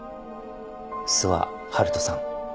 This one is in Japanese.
諏訪遙人さん。